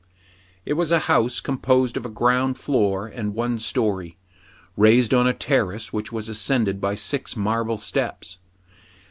It was a house composed of a ground floor and one story, raised on a terrace which was ascended by six marble steps.